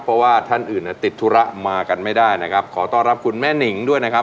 เพราะว่าท่านอื่นติดธุระมากันไม่ได้นะครับขอต้อนรับคุณแม่นิงด้วยนะครับ